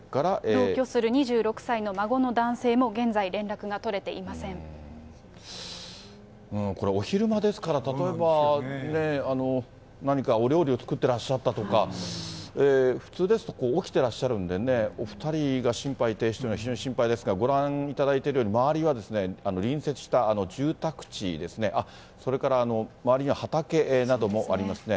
同居する２６歳の孫の男性も現在、これ、お昼間ですから、例えば、何かお料理を作ってらっしゃったとか、普通ですと、起きてらっしゃるんでね、お２人が心肺停止というのは、非常に心配ですが、ご覧いただいているように、周りは隣接した住宅地ですね、あ、それから周りには畑などもありますね。